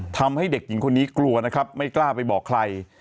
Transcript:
ทำให้เด็กหญิงคนนี้กลัวนะครับไม่กล้าไปบอกใคร